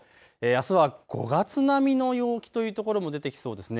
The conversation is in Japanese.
あすは５月並みの陽気というところも出てきそうですね。